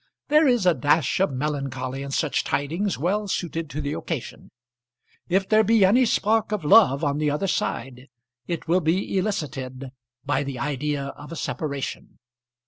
There is a dash of melancholy in such tidings well suited to the occasion. If there be any spark of love on the other side it will be elicited by the idea of a separation.